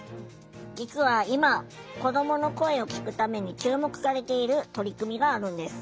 実は今子どもの声を聴くために注目されている取り組みがあるんです。